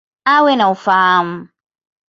Awe na ufahamu.